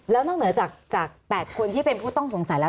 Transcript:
แล้วนอกเหนือจาก๘คนที่เป็นผู้ต้องสงสัยแล้ว